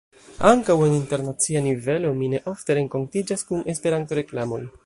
Ankaŭ en internacia nivelo mi ne ofte renkontiĝas kun Esperanto-reklamoj.